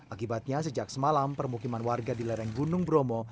akibatnya sejak semalam permukiman warga di lereng gunung bromo